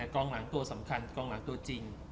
กองหลังตัวสำคัญกองหลังตัวจริง